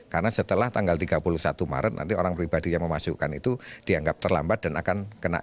karena setelah tanggal tiga puluh satu maret nanti orang pribadi yang memasukkan itu dianggap terlambat dan akan kena